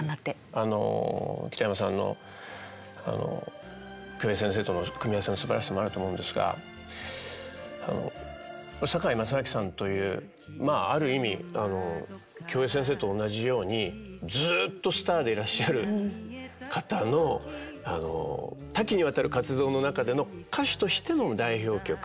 あの北山さんの京平先生との組み合わせのすばらしさもあると思うんですが堺正章さんというまあある意味京平先生と同じようにずっとスターでいらっしゃる方の多岐にわたる活動の中での歌手としての代表曲。